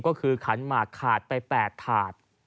ก็คือขันหมากขาดไป๘ถาด